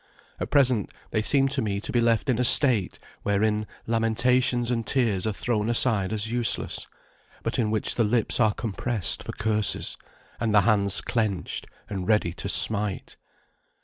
At present they seem to me to be left in a state, wherein lamentations and tears are thrown aside as useless, but in which the lips are compressed for curses, and the hands clenched and ready to smite.